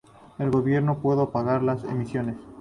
El gobierno pudo apagar las emisiones.